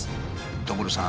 所さん！